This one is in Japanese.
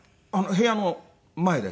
部屋の前です。